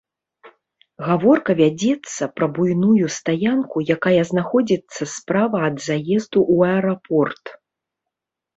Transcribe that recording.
Гаворка вядзецца пра буйную стаянку, якая знаходзіцца справа ад заезду ў аэрапорт.